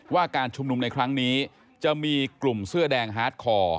ว่าการชุมนุมในครั้งนี้จะมีกลุ่มเสื้อแดงฮาร์ดคอร์